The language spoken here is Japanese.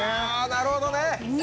なるほどね！